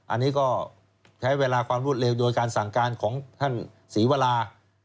อันนี้ก็ใช้เวลาความรวดเร็วโดยการสั่งการของท่านศรีวรา